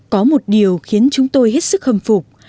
có một điều khiến chúng tôi hết sức khâm phục